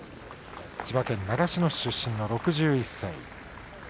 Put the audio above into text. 千葉県習志野市出身の６１歳。